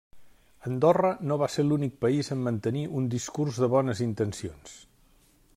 Andorra no va ser l’únic país en mantenir un discurs de bones intencions.